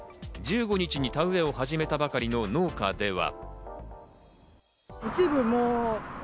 １５日に田植えを始めたばかりの農家では。